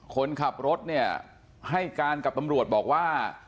คนขับรถเนี่ยให้การกับตำรวจบอกว่า